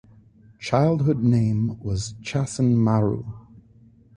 Childhood name was Chasen-maru.